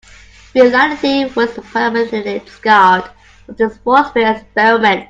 Reality was permanently scarred from those force field experiments.